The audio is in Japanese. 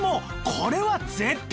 これは絶品！